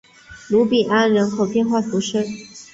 卢比安人口变化图示